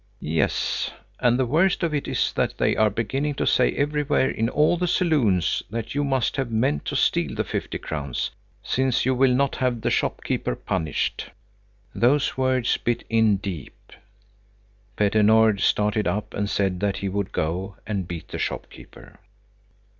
"Yes, and the worst of it is that they are beginning to say everywhere in all the saloons that you must have meant to steal the fifty crowns, since you will not have the shopkeeper punished." Those words bit in deep. Petter Nord started up and said that he would go and beat the shopkeeper.